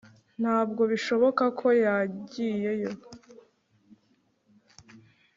Ntabwo bishoboka ko yagiyeyo